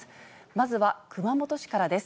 まずは熊本市からです。